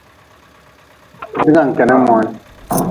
Bigan kenah moan.